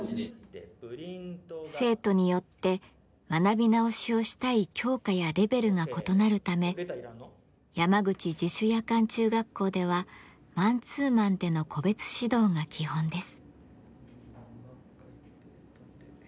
生徒によって学び直しをしたい教科やレベルが異なるため山口自主夜間中学校ではマンツーマンでの個別指導が基本です。